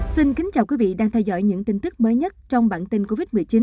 xin kính chào quý vị đang theo dõi những tin tức mới nhất trong bản tin covid một mươi chín